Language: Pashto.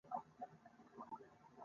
بېکاري او بېوزلي په ټولنه کې زیاتېږي